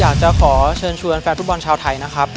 อยากจะขอเชิญชวนแฟนฟุตบอลชาวไทยนะครับ